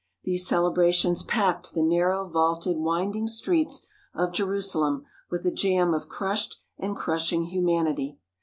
These celebrations packed the narrow, vaulted, winding streets of Jerusalem with a jam of crushed and crushing humanity.